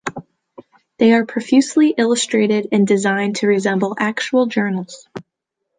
They are profusely illustrated and designed to resemble actual journals.